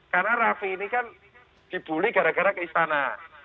karena rafi ini kan dibully gara gara ke istana